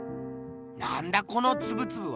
なんだこのつぶつぶは。